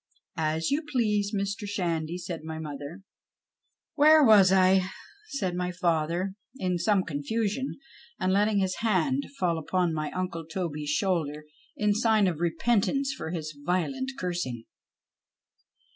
" As you please, Mr. Shandy," said my mother. 87 PASTICHE AND PREJUDICE " Where was I ?" said my father, in some con fusion, and letting his hand fall upon my uncle Toby's shoulder in sign of repentance for his violent cursing.